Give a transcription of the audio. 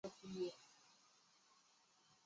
常常说话尖酸刻薄